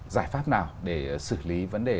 giải pháp nào để xử lý vấn đề